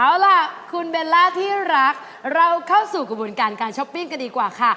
เอาล่ะคุณเบลล่าที่รักเราเข้าสู่กระบวนการการช้อปปิ้งกันดีกว่าค่ะ